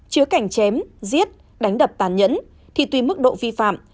chứa cảnh chém giết đánh đập tàn nhẫn thì tùy mức độ vi phạm